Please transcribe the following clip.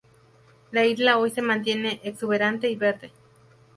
La isla hoy se mantiene exuberante y verde.